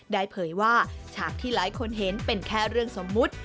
เผยว่าฉากที่หลายคนเห็นเป็นแค่เรื่องสมมุติ